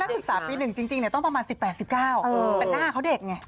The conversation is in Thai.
ศึกษาปี๑จริงต้องประมาณ๑๘๑๙แต่หน้าเขาเด็กไง